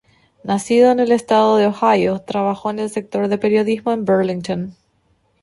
Nacido en el Estado de Ohio, trabajó en el sector de periodismo en Burlington.